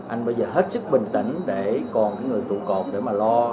anh bây giờ hết sức bình tĩnh để còn những người tụ cột để mà lo